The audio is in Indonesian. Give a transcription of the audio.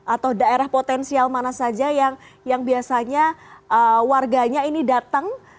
atau daerah potensial mana saja yang biasanya warganya ini datang